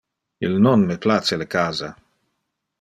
Il non me place le casa.